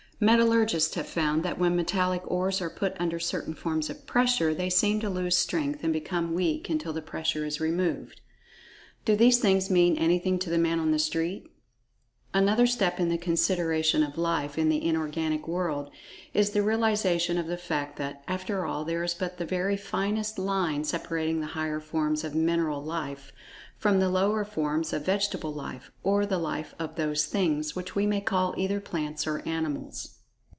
Metallurgists have found that when metallic ores are put under certain forms of pressure, they seem to lose strength, and become weak until the pressure is removed. Do these things mean anything to the "Man of the Street?" Another step in the consideration of Life in the Inorganic world, is the realization of the fact that, after all, there is but the very finest line separating the higher forms of Mineral "life," from the lower forms of vegetable life, or the life of those "Things" which we may call either plants or animals.